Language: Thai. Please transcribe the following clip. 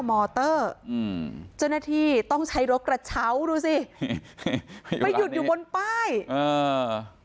มอเตอร์อืมเจ้าหน้าที่ต้องใช้รถกระเช้าดูสิไปหยุดอยู่บนป้ายอ่า